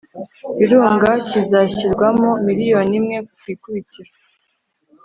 Virunga, kizashyirwamo miliyoni imwe ku ikubitiro.